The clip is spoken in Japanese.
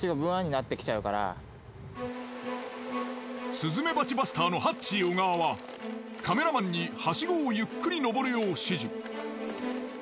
スズメバチバスターのハッチー小川はカメラマンにはしごをゆっくり登るよう指示。